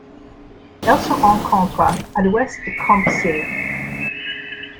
Elle se rencontre à l'Ouest de Kempsey.